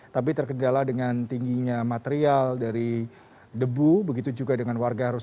tapi terkendala dengan tingginya material dari debu begitu juga dengan warga harus